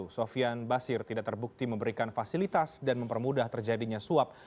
sofian basir tidak terbukti memberikan fasilitas dan mempermudah terjadinya suap